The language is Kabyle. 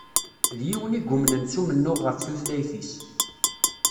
D yiwen i yumnen s umennuɣ ɣef tutlayt-is.